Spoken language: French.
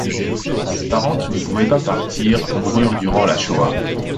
Ses parents, qui ne pouvaient pas partir, moururent durant la Shoah.